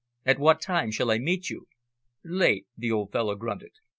At what time shall I meet you?" "Late," the old fellow grunted.